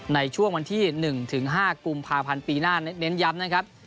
ในช่วงวันที่๑ถึง๕กุมภาพันธ์ปีหน้าเน้นย้ำนะครับ